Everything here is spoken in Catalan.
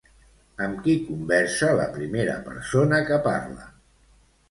Amb qui conversa la primera persona que parla?